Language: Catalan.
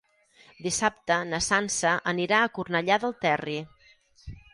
Dissabte na Sança anirà a Cornellà del Terri.